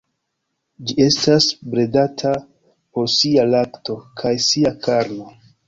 Ĝi estas bredata por sia lakto kaj sia karno.